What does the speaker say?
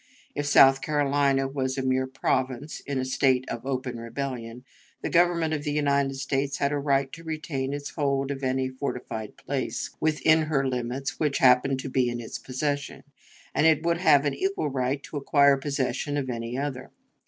If South Carolina was a mere province, in a state of open rebellion, the Government of the United States had a right to retain its hold of any fortified place within her limits which happened to be in its possession, and it would have had an equal right to acquire possession of any other.